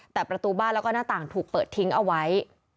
แต่ประตูบ้านแล้วก็หน้าต่างถูกเปิดทิ้งเอาไว้